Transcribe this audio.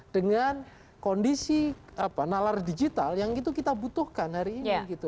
dengan kondisi nalar digital yang itu kita butuhkan hari ini gitu